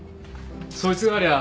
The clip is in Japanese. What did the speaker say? そいつがありゃ